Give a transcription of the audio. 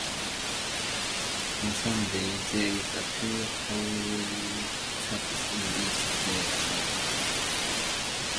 On Sunday, there is a two-hourly service in each direction.